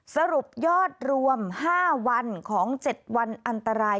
สรุปยอดรวม๕วันของ๗วันอันตราย